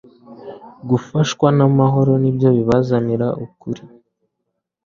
Gufashwa n'amahoro ni byo bibanziriza ukuri,